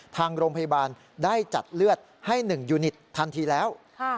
ทางโรงพยาบาลได้จัดเลือดให้๑ยูนิตทันทีแล้ว